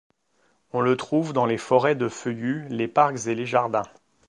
On le trouve dans les forêts de feuillus, les parcs et les jardins.